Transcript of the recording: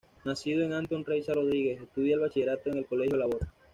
Nacido Antón Reixa Rodríguez, estudia el bachillerato en el Colegio Labor.